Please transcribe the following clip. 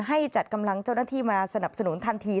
ให้จัดกำลังเจ้าหน้าที่มาสนับสนุนทันที